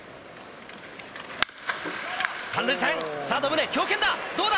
三塁線、サード、宗、強肩だ。